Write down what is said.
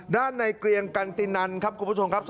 ด้านในเกรียงกันตินันครับคุณผู้ชมครับ